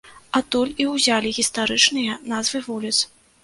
Адтуль і ўзялі гістарычныя назвы вуліц.